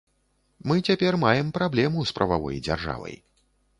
Мы цяпер маем праблему з прававой дзяржавай.